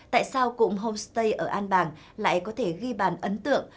tại sao cụm homestay ở an bàng lại có thể ghi bàn ấn tượng